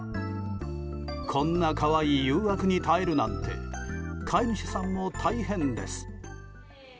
こんな可愛い誘惑に耐えるなんて飼い主さんも大変です。